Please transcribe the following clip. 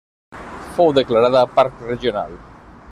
Fou declarada parc regional.